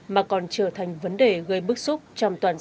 mà còn trở thành vấn đề gây bức xúc trong toàn xã hội